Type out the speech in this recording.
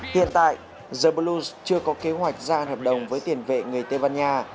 hiện tại the blues chưa có kế hoạch ra hợp đồng với tiền vệ người tây ban nha